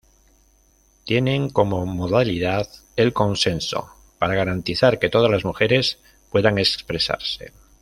Tienen como modalidad el consenso, para garantizar que todas las mujeres puedan expresarse.